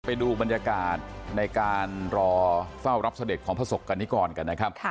ไปดูบรรยากาศในการรอเฝ้ารับเสด็จของประสบกรณิกรกันนะครับ